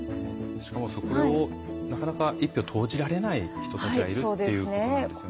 しかもなかなか１票を投じられない人たちがいるっていうことなんですよね。